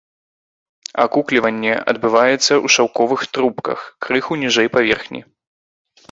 Акукліванне адбываецца ў шаўковых трубках, крыху ніжэй паверхні.